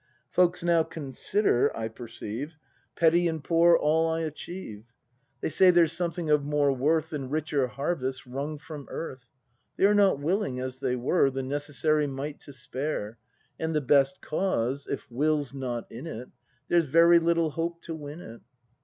Folks now consider, I perceive. 169 170 BRAND [act iv Petty and poor all I achieve; They say there's something of more worth Than richer harvests wrung from earth; They are not willing as they were. The necessary mite to spare; And the best cause, if will's not in it, — There's very little hope to win it.